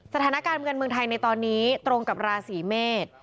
สถานการณ์เมืองไทยในตอนนี้ตรงกับราศีเมษ